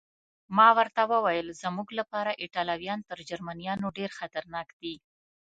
ما ورته وویل: زموږ لپاره ایټالویان تر جرمنیانو ډېر خطرناک دي.